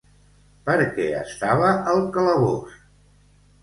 Per què estava al calabós?